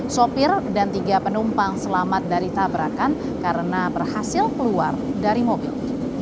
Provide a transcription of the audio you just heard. sopir dan tiga penumpang selamat dari tabrakan karena berhasil keluar dari mobil